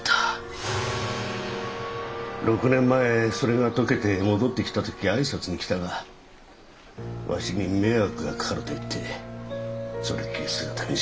６年前それが解けて戻ってきた時挨拶に来たがわしに迷惑がかかると言ってそれっきり姿見せねえ。